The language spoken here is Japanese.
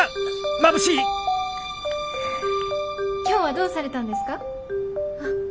今日はどうされたんですか？